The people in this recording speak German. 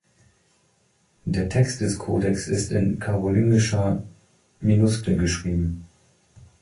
Der Text des Codex ist in karolingischer Minuskel geschrieben.